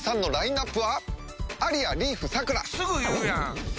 すぐ言うやん！